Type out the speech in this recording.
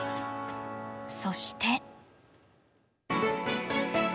そして。